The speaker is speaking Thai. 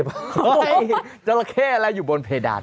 เฮ้ยจราเข้อะไรอยู่บนเพดาน